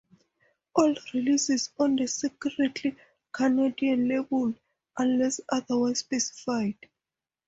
All releases on the Secretly Canadian label, unless otherwise specified.